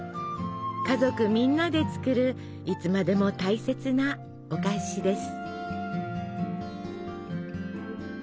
家族みんなで作るいつまでも大切なお菓子です。